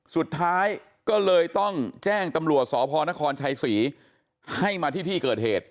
สุดท้ายก็เลยต้องแจ้งตำรวจสพนครชัยศรีให้มาที่ที่เกิดเหตุ